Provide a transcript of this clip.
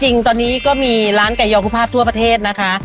จริงตอนนี้ก็มีร้านไก่ยองกุภาพทั่วประเทศนะคะ